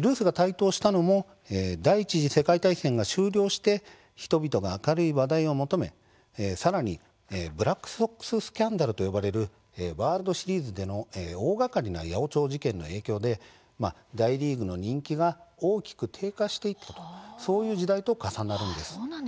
ルースが台頭したのも第１次世界大戦が終了して人々が明るい話題を求めさらにブラックソックススキャンダルと呼ばれるワールドシリーズでの大がかりな八百長事件の影響で大リーグの人気が大きく低下していたそういう時代と重なるんです。